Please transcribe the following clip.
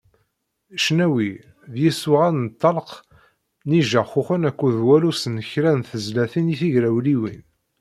Ccnawi d yisuɣan s ṭṭelq n yijaxuxen akked wallus n kra n tezlatin tigrawliwin.